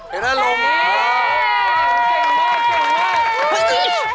เย่เก่งมาก